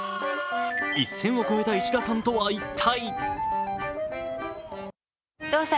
一線を越えた石田さんとは一体？